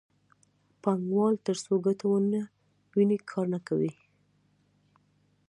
پانګوال ترڅو ګټه ونه ویني کار نه کوي